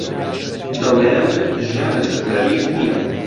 دەڵێن ژیان لەسەر مەریخ نییە.